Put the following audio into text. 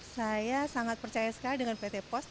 saya sangat percaya sekali dengan pt pos